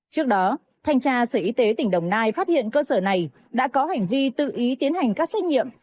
trước đó thanh tra sở y tế tỉnh đồng nai phát hiện cơ sở này đã có hành vi tự ý tiến hành các xét nghiệm